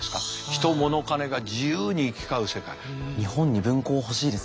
人物金が自由に行き交う世界。